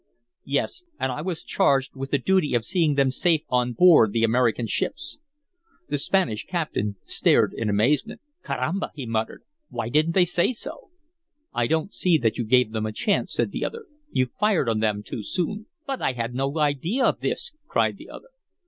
"Yes. And I was charged with the duty of seeing them safe on board the American ships." The Spanish captain stared in amazement. "Carramba!" he muttered. "Why didn't they say so?" "I don't see that you gave them a chance," said the other. "You fired on them too soon." "But I had no idea of this!" cried the other.